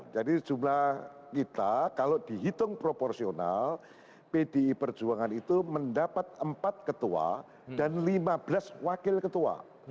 jadi jumlah kita kalau dihitung proporsional pdi perjuangan itu mendapat empat ketua dan lima belas wakil ketua